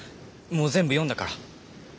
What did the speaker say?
もう全部読んだから。